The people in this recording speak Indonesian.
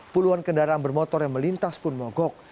puluhan kendaraan bermotor yang melintas pun mogok